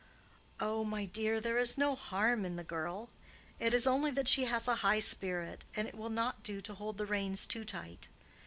"Oh, my dear, there is no harm in the girl. It is only that she has a high spirit, and it will not do to hold the reins too tight.